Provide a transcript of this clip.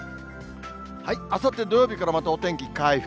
あさって土曜日からまたお天気回復。